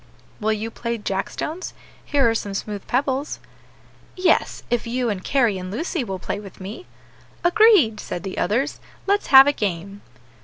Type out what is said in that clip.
"Will you play jack stones? here are some smooth pebbles." "Yes, if you and Carry, and Lucy, will play with me." "Agreed!" said the others, "let's have a game."